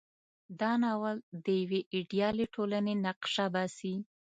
دا ناول د یوې ایډیالې ټولنې نقشه باسي.